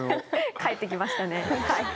返って来ましたね。